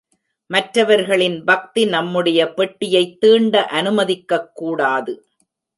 மற்றவர்களின் பக்தி நம்முடைய பெட்டியைத் தீண்ட அனுமதிக்கக்கூடாது.